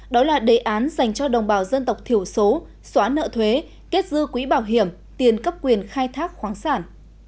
đó là đề án dành cho đồng bào dân tộc thiểu số xóa nợ thuế kết dư quỹ bảo hiểm tiền cấp quyền khai thác khoáng sản